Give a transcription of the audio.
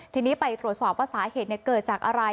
ทีนี้ไปตรวจสอบว่าสาเหตุเกิดจากอะไร